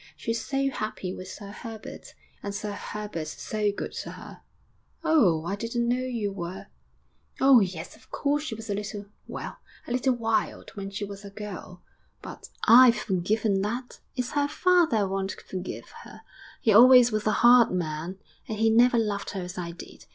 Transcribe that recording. She's so happy with Sir Herbert. And Sir Herbert's so good to her.' ... 'Oh, I didn't know you were.' ... 'Oh, yes! Of course she was a little well, a little wild when she was a girl, but I've forgiven that. It's her father won't forgive her. He always was a hard man, and he never loved her as I did.